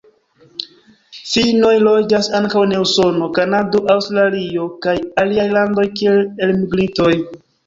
Finnoj loĝas ankaŭ en Usono, Kanado, Aŭstralio kaj aliaj landoj kiel elmigrintoj.